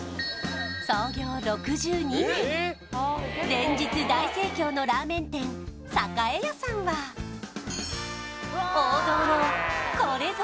連日大盛況のラーメン店さかえやさんは王道のこれぞ！